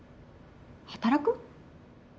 働く？